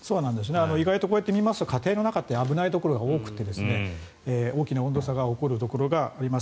意外とこう見ますと家庭の中って危ないところが多くて大きな温度差が起こるところがあります。